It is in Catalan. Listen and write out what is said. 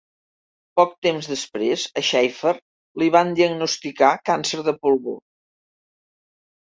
Poc temps després, a Shaffer li van diagnosticar càncer de pulmó.